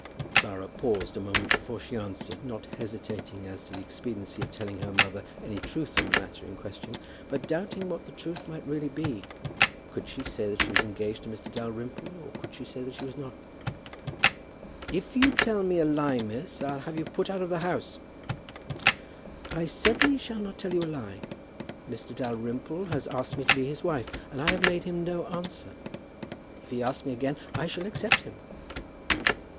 Clara paused a moment before she answered, not hesitating as to the expediency of telling her mother any truth on the matter in question, but doubting what the truth might really be. Could she say that she was engaged to Mr. Dalrymple, or could she say that she was not? "If you tell me a lie, miss, I'll have you put out of the house." [Illustration: "You do not know what starving is, my dear."] "I certainly shall not tell you a lie. Mr. Dalrymple has asked me to be his wife, and I have made him no answer. If he asks me again I shall accept him."